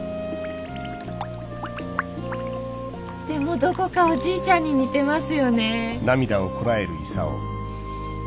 でもどこかおじいちゃんに似てますよねえ。